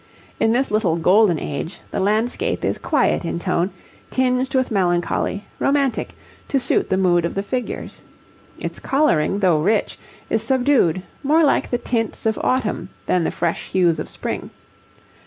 In this little 'Golden Age' the landscape is quiet in tone, tinged with melancholy, romantic, to suit the mood of the figures. Its colouring, though rich, is subdued, more like the tints of autumn than the fresh hues of spring.